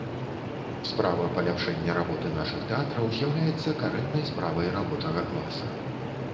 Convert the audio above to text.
Справа паляпшэння работы нашых тэатраў з'яўляецца карэннай справай рабочага класа.